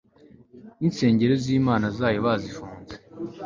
Ninsengero zImana zayo bazifunze